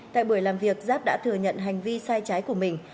tại buổi làm việc giáp đã thừa nhận hành vi sai trái của mình